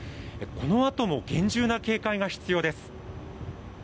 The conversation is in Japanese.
このあとも厳重な警戒が必要です。